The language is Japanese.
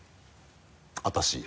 私？